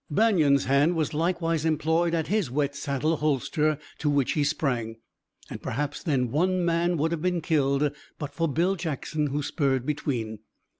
Banion's hand was likewise employed at his wet saddle holster, to which he sprang, and perhaps then one man would have been killed but for Bill Jackson, who spurred between.